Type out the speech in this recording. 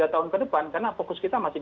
dua tahun ke depan karena fokus kita masih